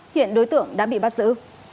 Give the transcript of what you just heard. hiện đối tượng đã bị bắt giữ